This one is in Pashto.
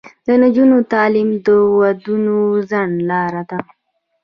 د نجونو تعلیم د ودونو ځنډ لاره ده.